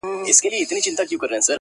قاسم یار بایللی هوښ زاهد تسبې دي,